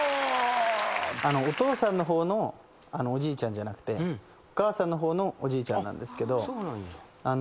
お父さんの方のおじいちゃんじゃなくてお母さんの方のおじいちゃんなんですけど。